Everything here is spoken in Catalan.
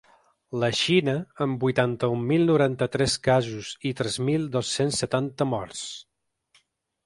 La Xina, amb vuitanta-un mil noranta-tres casos i tres mil dos-cents setanta morts.